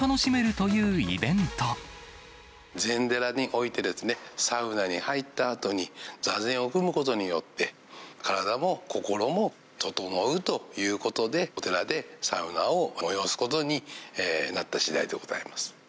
禅寺においてですね、サウナに入ったあとに座禅を組むことによって、体も心もととのうということで、お寺でサウナを催すことになったしだいでございます。